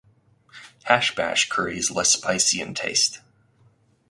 Hash Bash curry is less spicy in taste.